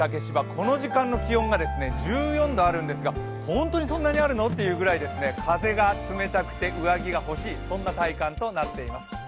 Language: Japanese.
この時間の温度が１４度あるんですが、本当にそんなにあるの？というぐらい風が冷たくて上着が欲しい体感となっています。